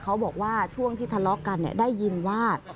เขาบอกว่าช่วงที่ทะเลาะกันได้ยินว่า